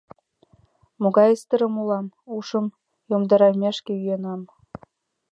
Могай ыстырам улам: ушым йомдарымешке йӱынам.